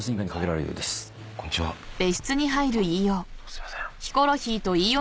すいません。